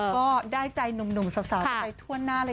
ก็ได้ใจหนูบสาวไปถ้ว่างหน้า